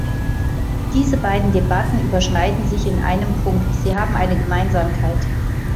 Diese beiden Debatten überschneiden sich in einem Punkt, sie haben eine Gemeinsamkeit.